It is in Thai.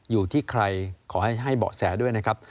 อยู่ที่ใครขอให้เบาะแสด้วยนะครับ